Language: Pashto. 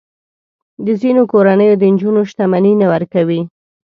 د ځینو کورنیو د نجونو شتمني نه ورکوي.